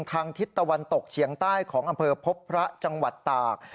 ทิศตะวันตกเฉียงใต้ของอำเภอพบพระจังหวัดตาก